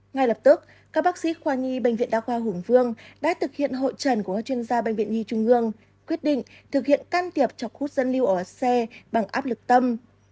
ngay lập tức các bác sĩ khoa nhi bệnh viện đao khoa hùng vương đã thực hiện hội trần của các chuyên gia bệnh viện nhi trung hương quyết định thực hiện can tiệp chọc hút dẫn lưu ở xe bằng áp lực tâm